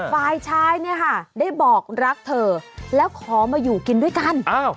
ฝ่ายชายเนี่ยค่ะได้บอกรักเธอแล้วขอมาอยู่กินด้วยกัน